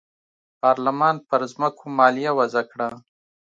پارلمان پر ځمکو مالیه وضعه کړه.